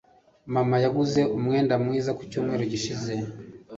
Mama yanguze umwenda mwiza ku cyumweru gishize.